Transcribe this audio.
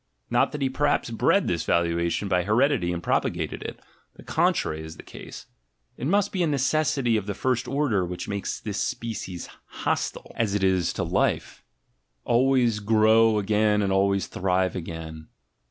Not that he perhaps bred this valuation by heredity and propagated it — the contrary is the case. It must be a necessity of the first order which makes 122 THE GENEALOGY OF MORALS this species, hostile, as it is, to life, always grow again and always thrive again.